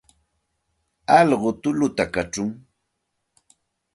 Alqu tulluta kachun.